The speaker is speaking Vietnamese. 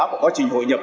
và quá trình hội nhập